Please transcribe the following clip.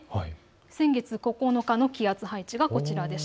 先月９日の気圧配置がこちらです。